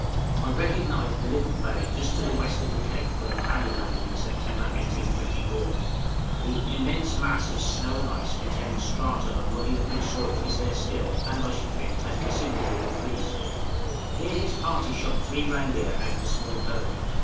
I recognize the little bay just to the west of the cape where Parry landed in September, 1824. The "immense mass of snow and ice containing strata of muddy looking soil" is there still, and, I should think, had considerably increased. Here his party shot three reindeer out of a small herd.